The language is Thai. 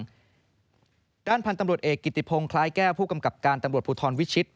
ด้านพันธุ์ตำรวจเอกกิติพงศ์คล้ายแก้วผู้กำกับการตำรวจภูทรวิชิต